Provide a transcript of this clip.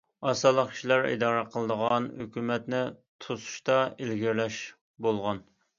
ئاز سانلىق كىشىلەر ئىدارە قىلىدىغان ھۆكۈمەتنى توسۇشتا ئىلگىرىلەش بولغان.